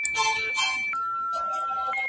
په قلم خط لیکل د لوبو په څیر په زړه پوري کیدای سي.